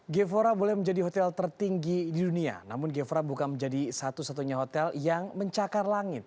gevora boleh menjadi hotel tertinggi di dunia namun gevora bukan menjadi satu satunya hotel yang mencakar langit